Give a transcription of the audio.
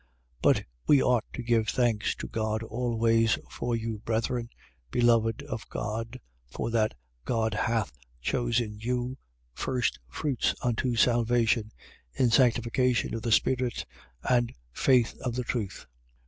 2:12. But we ought to give thanks to God always for you, brethren, beloved of God, for that God hath chosen you firstfruits unto salvation, in sanctification of the spirit and faith of the truth: 2:13.